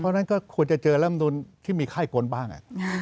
เพราะฉะนั้นก็ควรจะเจอรัฐธรรมนุนที่มีค่ายก้นบ้าง